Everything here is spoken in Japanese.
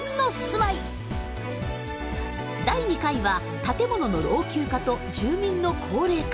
第２回は建物の老朽化と住民の高齢化。